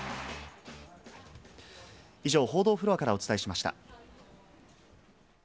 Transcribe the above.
以上、報道フロアからお伝えしました。